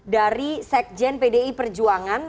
dari sekjen pdi perjuangan